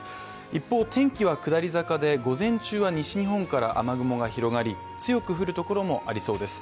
一方、天気は下り坂で午前中は西日本から雨雲が広がり、強く降るところもありそうです。